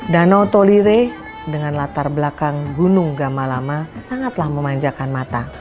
danau tolire dengan latar belakang gunung gamalama sangatlah memanjakan mata